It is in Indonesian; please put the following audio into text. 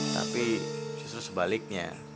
tapi justru sebaliknya